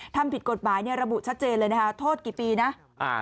ทำผิดกฎหมายเนี่ยระบุชัดเจนเลยนะคะโทษกี่ปีนะ